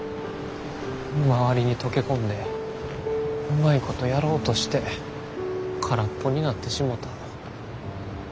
周りに溶け込んでうまいことやろうとして空っぽになってしもた。